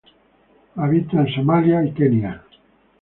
Habita en Somalia y Kenia.